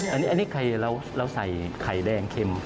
อันนี้เราใส่ไข่แดงเข็ม